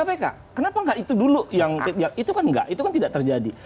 jadi pimpinan kpk kenapa nggak itu dulu yang itu kan nggak itu kan tidak terjadi